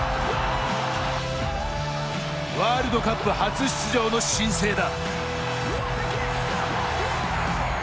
ワールドカップ初出場の新星だ。